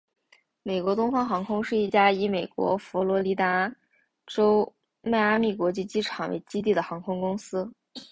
美国东方航空是一家以美国佛罗里达州迈阿密国际机场为基地的航空公司。